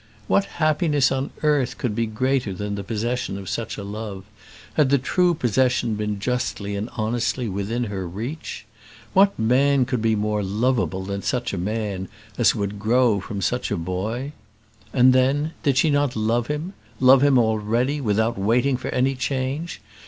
What happiness on earth could be greater than the possession of such a love, had the true possession been justly and honestly within her reach? What man could be more lovable than such a man as would grow from such a boy? And then, did she not love him, love him already, without waiting for any change?